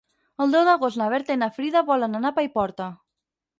El deu d'agost na Berta i na Frida volen anar a Paiporta.